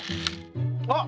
あっ！